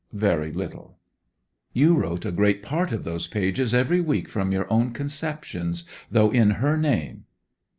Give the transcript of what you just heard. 'Very little.' 'You wrote a great part of those pages every week from your own conceptions, though in her name!